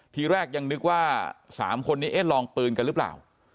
ทีแรกยังนึกว่า๓คนนี้เอ๊ะลองปืนกันหรือเปล่า